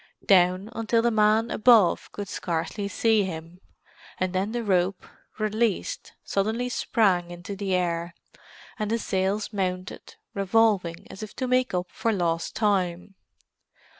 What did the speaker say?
Down, until the man above could scarcely see him—and then the rope, released, suddenly sprang into the air, and the sails mounted, revolving as if to make up for lost time.